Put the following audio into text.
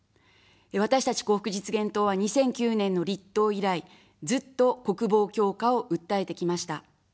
私たち幸福実現党は２００９年の立党以来、ずっと国防強化を訴えてきました。